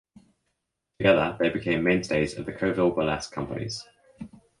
Together they became mainstays of the Coville burlesque companies.